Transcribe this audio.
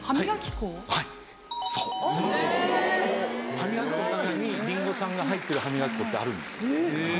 歯みがき粉の中にリンゴ酸が入ってる歯みがき粉ってあるんです。